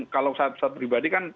kalau pesawat pribadi kan